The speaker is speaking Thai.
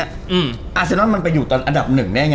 อาเซนอนมันไปอยู่ตอนอันดับหนึ่งได้ไง